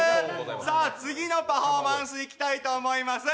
次のパフォーマンスいきたいと思います。